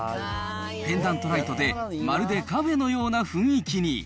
ペンダントライトでまるでカフェのような雰囲気に。